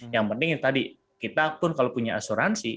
yang penting tadi kita pun kalau punya asuransi